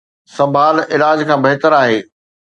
سنڀال علاج کان بهتر آهي